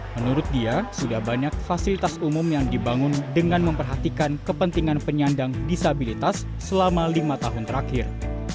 menurut dia sudah banyak fasilitas umum yang dibangun dengan memperhatikan kepentingan penyandang disabilitas selama lima tahun terakhir